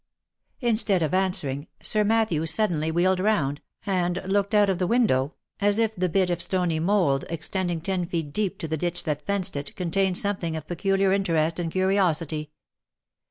Instead of answering, Sir Matthew suddenly wheeled round, and looked out of the window, as if the bit of stony mould extending ten feet deep to the ditch that fenced it, contained something of pecu liar interest and curiosity.